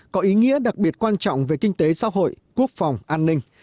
có ý nghĩa đặc biệt quan trọng về kinh tế xã hội quốc phòng an ninh